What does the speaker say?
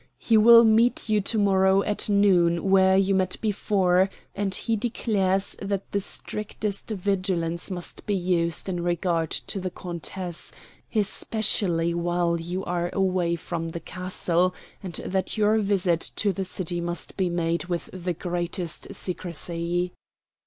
He will meet you to morrow at noon where you met before, and he declares that the strictest vigilance must be used in regard to the countess, especially while you are away from the castle, and that your visit to the city should be made with the greatest secrecy."